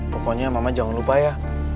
pokoknya mama jangan lupa ya